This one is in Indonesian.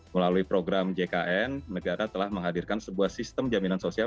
melalui program jkn negara telah menghadirkan sebuah sistem jaminan sosial